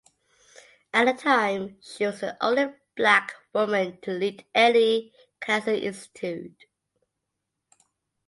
At the time she was the only Black woman to lead any cancer institute.